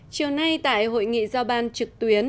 chiều nay tại hội nghị giao ban trực tuyến